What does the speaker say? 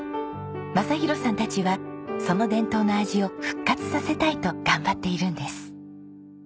雅啓さんたちはその伝統の味を復活させたいと頑張っているんです。